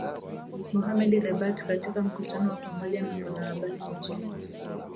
Mohamed Lebatt katika mkutano wa pamoja na waandishi wa habari mjini